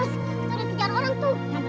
seperti mana cepetan mas